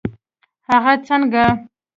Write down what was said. هغه څنګه؟